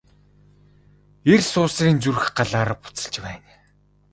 Эр суусрын зүрх Галаар буцалж байна.